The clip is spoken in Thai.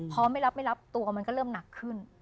พอไม่รับไม่รับตัวมันก็เริ่มหนักขึ้น